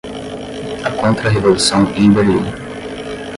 A Contra-Revolução em Berlim